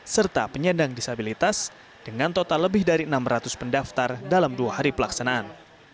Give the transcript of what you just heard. serta penyandang disabilitas dengan total lebih dari enam ratus pendaftar dalam dua hari pelaksanaan